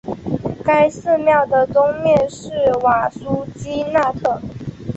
该寺庙的东面是瓦苏基纳特。